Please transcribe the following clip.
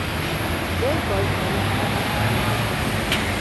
There George met his cousin, Joseph, for the first time.